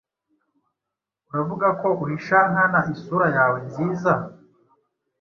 Uravuga ko uhisha nkana isura yawe nziza?